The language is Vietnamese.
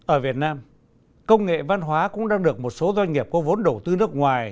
ở việt nam công nghệ văn hóa cũng đang được một số doanh nghiệp có vốn đầu tư nước ngoài